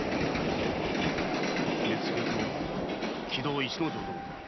目付役の木戸市之丞殿か？